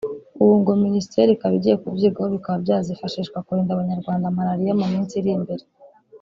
ubu ngo Minisiteri ikaba igiye kubyigaho bikaba byazifashishwa kurinda Abanyarwanda Malaria mu minsi iri imbere